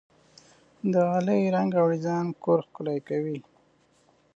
د غالۍ رنګ او ډیزاین کور ښکلی کوي.